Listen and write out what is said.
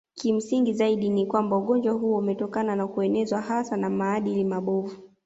Kimsingi zaidi ni kwamba ugonjwa huo umetokana na kuenezwa hasa na maadili mabovu